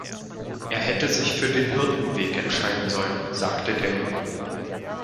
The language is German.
„Er hätte sich für den Hirtenweg entscheiden sollen“, sagte der Junge.